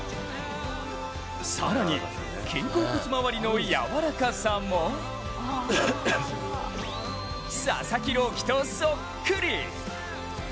更に、肩甲骨周りのやわらかさも佐々木朗希とそっくり！